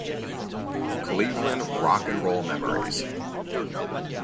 "Cleveland Rock and Roll Memories".